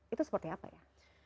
itu seperti apa ya